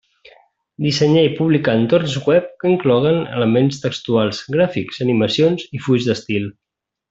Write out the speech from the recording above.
Dissenyar i publicar entorns web que incloguen elements textuals, gràfics, animacions i fulls d'estil.